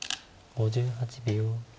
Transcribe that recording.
５８秒。